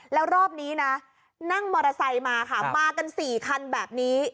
แล้วรอบนี้นะนั่งมอเตอร์ไซค์มาค่ะมากัน๔คันแบบนี้